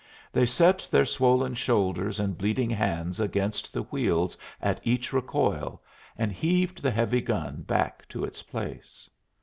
They set their swollen shoulders and bleeding hands against the wheels at each recoil and heaved the heavy gun back to its place.